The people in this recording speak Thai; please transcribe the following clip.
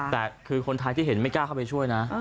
แต่คือคนไทยที่เห็นไม่กล้าเข้าไปช่วยนะ